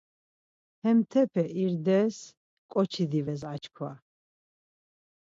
Hemtepete irdes, ǩoçi dives açkva.